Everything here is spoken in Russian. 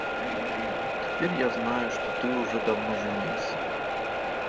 Теперь я знаю, что ты уже давно женился.